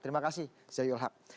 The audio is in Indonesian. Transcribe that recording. terima kasih zayul haq